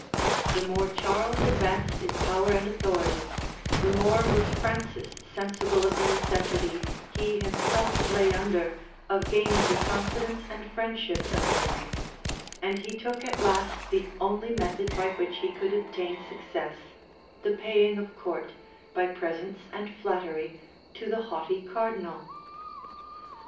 The more Charles advanced in power and authority, the more was Francis sensible of the necessity he himself lay under of gaining the confidence and friendship of Henry; and he took at last the only method by which he could obtain success, the paying of court, by presents and flattery, to the haughty cardinal.